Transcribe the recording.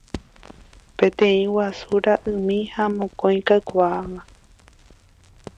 Peteĩ guasu ra'ymi ha mokõi kakuaáva.